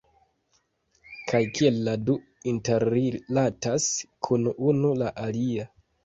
Kaj kiel la du interrilatas kun unu la alia